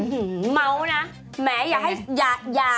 เหม้านะแม้ให้ให้